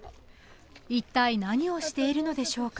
一体何をしているのでしょうか